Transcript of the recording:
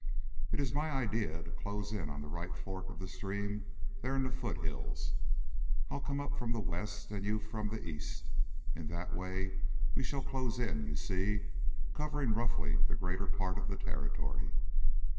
"It is my idea to close in on the right fork of the stream there in the foothills. I'll come up from the west and you from the east. In that way we shall close in, you see, covering roughly the greater part of the territory."